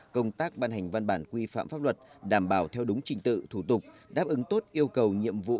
công tác ban hành văn bản quy phạm pháp luật đảm bảo theo đúng trình tự thủ tục đáp ứng tốt yêu cầu nhiệm vụ